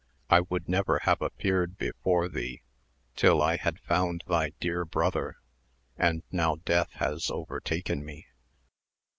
I would never have appeared before thee till I had found thy dear brother, and now death has overtaken me.